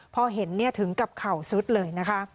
พอเห็นถึงกับเข่าซุดเลยนะคะ